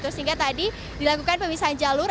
sehingga tadi dilakukan pemisahan jalur